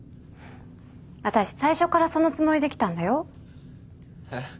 私最初からそのつもりで来たんだよ。え？